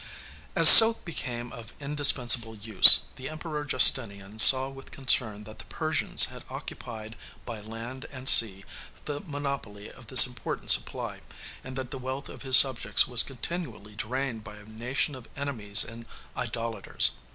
As silk became of indispensable use, the Emperor Justinian saw with concern that the Persians had occupied by land and sea the monopoly of this important supply, and that the wealth of his subjects was continually drained by a nation of enemies and idolaters.